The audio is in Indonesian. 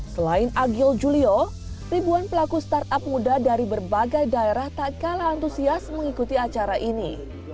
selain agil julio ribuan pelaku startup muda dari berbagai daerah tak kalah antusias mengikuti acara ini